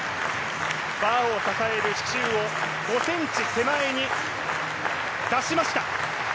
バーを支える支柱を５ｃｍ手前に出しました。